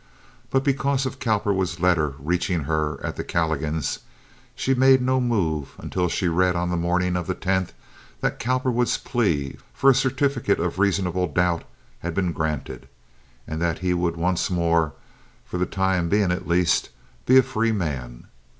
But, because of Cowperwood's letter reaching her at the Calligans', she made no move until she read on the morning of the tenth that Cowperwood's plea for a certificate of reasonable doubt had been granted, and that he would once more, for the time being at least, be a free man.